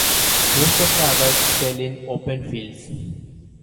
Most of the others fell in open fields.